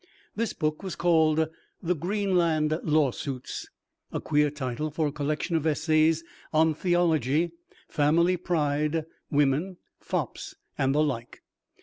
This book was called the "Greenland Lawsuits," a queer title for a collection of essays on theology, family pride, women, fops, and the like.